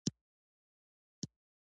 ودرېږه یا دي ولم